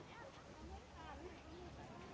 สวัสดีครับทุกคน